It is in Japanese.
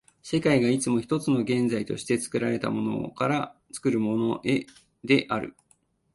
世界がいつも一つの現在として、作られたものから作るものへである。